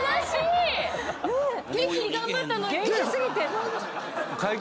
元気に頑張ったのに。